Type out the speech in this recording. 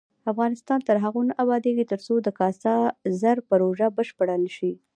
افغانستان تر هغو نه ابادیږي، ترڅو د کاسا زر پروژه بشپړه نشي.